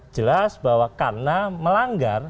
jelas bahwa karena melanggar